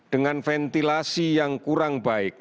dengan ventilasi yang kurang baik